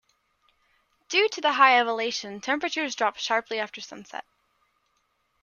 Due to the high elevation, temperatures drop sharply after sunset.